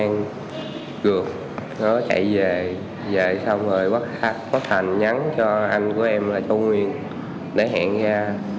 công an cường nó chạy về về xong rồi quốc hành nhắn cho anh của em là châu nguyên để hẹn ra